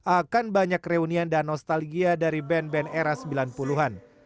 akan banyak reunian dan nostalgia dari band band era sembilan puluh an